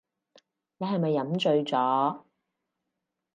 你係咪飲醉咗